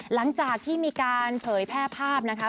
หลังจากที่มีการเผยแพร่ภาพนะคะ